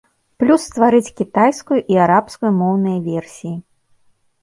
Плюс стварыць кітайскую і арабскую моўныя версіі.